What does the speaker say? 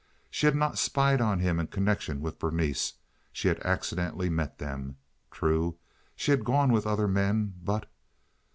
She had not spied on him in connection with Berenice—she had accidentally met them. True, she had gone with other men, but?